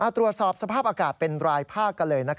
ตรวจสอบสภาพอากาศเป็นรายภาคกันเลย